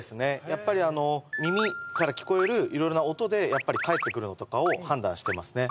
やっぱりあの耳から聞こえる色々な音で帰ってくるのとかを判断してますね